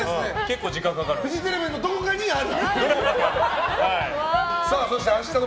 フジテレビのどこかにあると。